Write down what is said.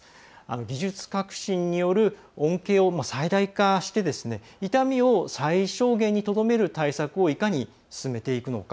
技術革新による恩恵を最大化して痛みを最小限にとどめる対策をいかに進めていくのか。